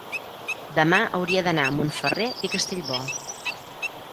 demà hauria d'anar a Montferrer i Castellbò.